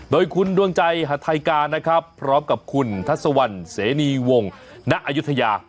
โดยคุณดวงใจหาทัยการนะครับพร้อมกับคุณทัศวรรณเสนีวงณอายุทยา